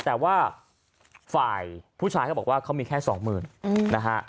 แต่ว่าฝ่ายผู้ชายเขาบอกว่าเขามีแค่สองหมื่นนะฮะ